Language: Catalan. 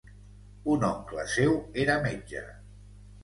Un oncle seu era metge.